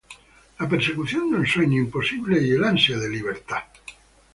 La persecución de un sueño imposible y el ansia de libertad.